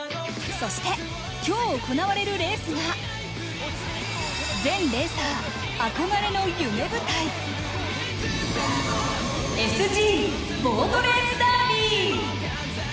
そして、今日行われるレースが、全レーサー憧れの夢舞台、ＳＧボートレースダービー。